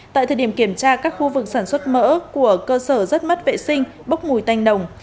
tại thời điểm kiểm tra các khu vực sản xuất mỡ của cơ sở rất mất vệ sinh bốc mùi tành nồng